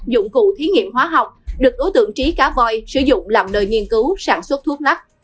dụng cụ thí nghiệm hóa học được đối tượng trí cá voi sử dụng làm nơi nghiên cứu sản xuất thuốc lắc